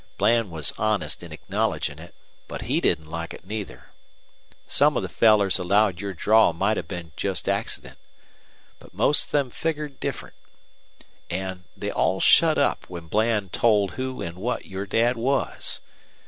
Bland was honest in acknowledgin' it, but he didn't like it, neither. Some of the fellers allowed your draw might have been just accident. But most of them figgered different. An' they all shut up when Bland told who an' what your Dad was.